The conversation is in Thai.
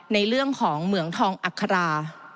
ในเรื่องของเหมืองทองอัครา